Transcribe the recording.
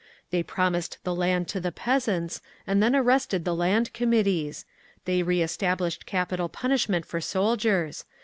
They promised the land to the peasants and then arrested the Land Committees. They reestablished capital punishment for soldiers.